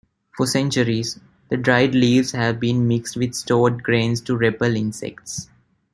For centuries, the dried leaves have been mixed with stored grains to repel insects.